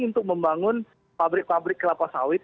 untuk membangun pabrik pabrik kelapa sawit